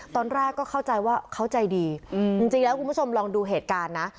ตอนแรกก็เข้าใจว่าเขาใจดีจริงแล้วคุณผู้ชมลองดูเหตุการณ์นะ